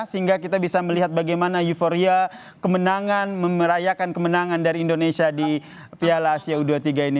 sehingga kita bisa melihat bagaimana euforia kemenangan memerayakan kemenangan dari indonesia di piala asia u dua puluh tiga ini